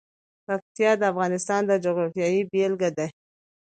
پکتیا د افغانستان د جغرافیې بېلګه ده.